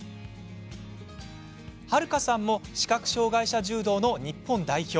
悠さんも視覚障がい者柔道の日本代表。